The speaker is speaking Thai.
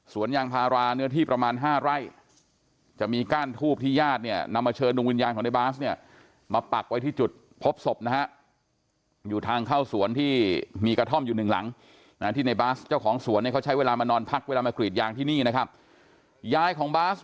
สวนยางภาราเนื้อที่ประมาณ๕ไร่จะมีก้านทูปที่ยาดนำมาเชิญลงวิญญาณของในบัส